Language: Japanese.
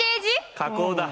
加工だ！